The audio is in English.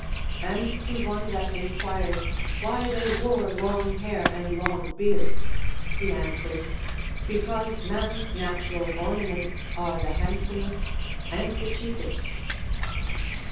And to one that enquired why they wore long hair and long beards, he answered, Because man's natural ornaments are the handsomest and the cheapest.